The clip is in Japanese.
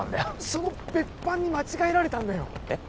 その別班に間違えられたんだよえっ？